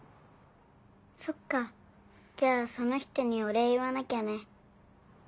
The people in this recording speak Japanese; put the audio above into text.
そっかじゃあその人にお礼言わなきゃね。